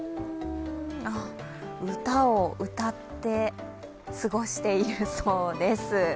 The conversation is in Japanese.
歌を歌って過ごしているそうです。